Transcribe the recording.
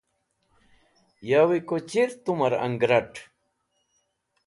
Yawi ko chir tumẽr angrat̃.